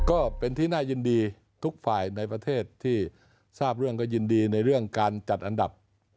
ก็เป็นที่น่ายินดีทุกฝ่ายในประเทศที่ทราบเรื่องก็ยินดีในเรื่องการจัดอันดับ